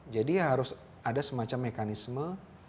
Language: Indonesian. jadi harus ada semacam mekanisme